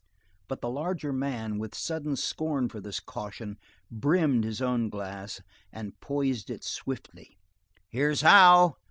But the larger man, with sudden scorn for this caution, brimmed his own glass, and poised it swiftly. "Here's how!"